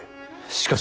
しかし。